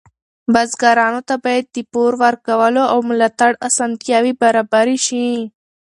بزګرانو ته باید د پور ورکولو او ملاتړ اسانتیاوې برابرې شي.